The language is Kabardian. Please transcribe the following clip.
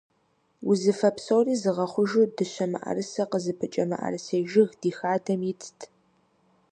Узыфэ псори зыгъэхъужу дыщэ мыӀэрысэ къызыпыкӀэ мыӀэрысей жыг ди хадэм итт.